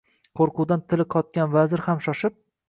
Qo’rquvdan tili qotgan vazir ham shoshib